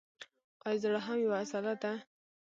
ایا زړه هم یوه عضله ده